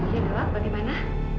ya dok bagaimana